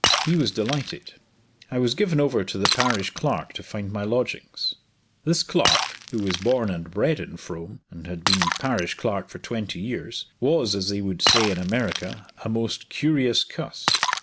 He was delighted. I was given over to the parish clerk to find my lodgings. This clerk, who was born and bred in Frome, and had been parish clerk for twenty years, was, as they would say in America, a most "curious cuss."